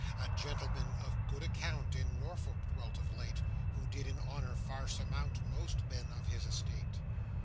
A gentleman of good account, In Norfolk dwelt of late, Who did in honour far surmount Most men of his estate.